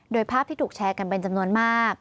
โดยภาพที่ถูกแชร์กันเป็นจำนวนมาก